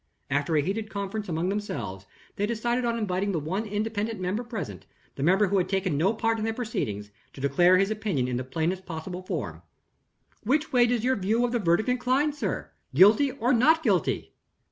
After a heated conference among themselves, they decided on inviting the one independent member present the member who had taken no part in their proceedings to declare his opinion in the plainest possible form. "Which way does your view of the verdict incline, sir? Guilty or not guilty?"